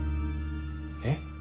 えっ？